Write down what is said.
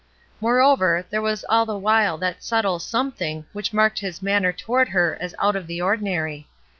Moreover, there was all the while that subtle something which marked his manner toward her as out of the ordinary.